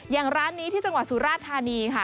อย่างร้านนี้ที่จังหวัดสุราธานีค่ะ